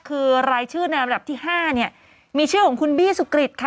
คือรายชื่อนำที่๕มีชื่อของคุณบีสุกริต